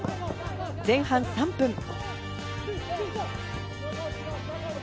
前半３分。